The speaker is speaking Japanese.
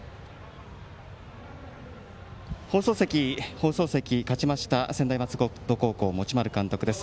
放送席、勝ちました専大松戸高校、持丸監督です。